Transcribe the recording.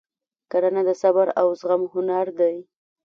کرنه د صبر او زغم هنر دی.